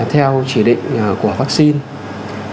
theo chỉ định của vaccine